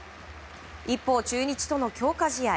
一方、中日との強化試合。